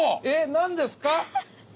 えっ何ですか？